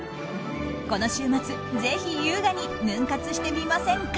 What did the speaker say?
この週末、ぜひ優雅にヌン活してみませんか？